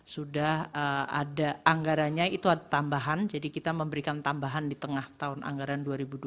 sudah ada anggaranya itu ada tambahan jadi kita memberikan tambahan di tengah tahun anggaran dua ribu dua puluh